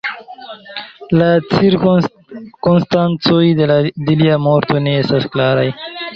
La cirkonstancoj de lia morto ne estas klaraj.